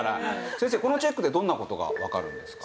先生このチェックでどんな事がわかるんですか？